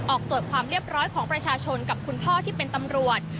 ออกตรวจความเรียบร้อยของประชาชนกับคุณพ่อที่เป็นตำรวจ